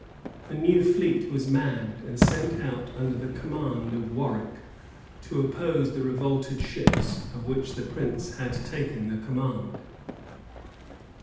A new fleet was manned, and sent out under the command of War wick, to oppose the revolted ships, of which the prince had taken the command.